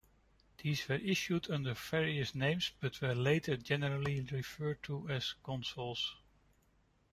These were issued under various names but were later generally referred to as Consols.